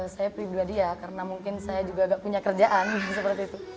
saya pribadi ya karena mungkin saya juga gak punya kerjaan seperti itu